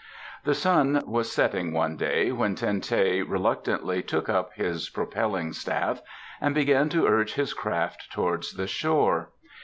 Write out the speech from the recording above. The sun was setting one day when Ten teh reluctantly took up his propelling staff and began to urge his raft towards the shore.